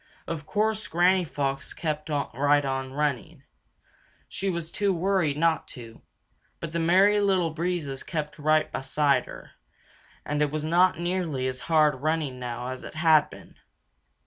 Of course, Granny Fox kept right on running. She was too worried not to. But the Merry Little Breezes kept right beside her, and it was not nearly as hard running now as it had been.